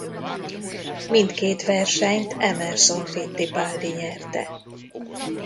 Mindkét versenyt Emerson Fittipaldi nyerte.